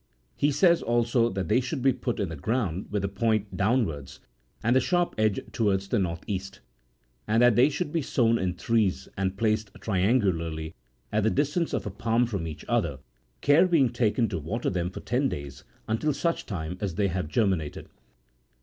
33 He says, also, that they should be put in the ground with the point downwards, and the sharp edge towards the north east ; and that they should be sown in threes and placed triangularly, at the distance of a palm from each other, care being taken to water them for ten days, until such time as they have germinated.